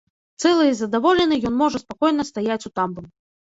Цэлы і задаволены ён можа спакойна стаяць у тамбуры.